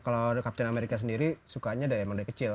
kalau captain america sendiri sukanya dari kecil